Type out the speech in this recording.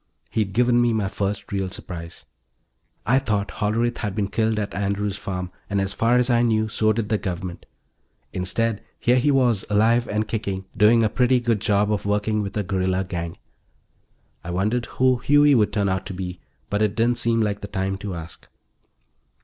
He'd given me my first real surprise; I'd thought Hollerith had been killed at Andrew's Farm, and, as far as I knew, so did the Government. Instead, here he was, alive and kicking, doing a pretty good job of working with a guerrilla gang. I wondered who Huey would turn out to be, but it didn't seem like the time to ask.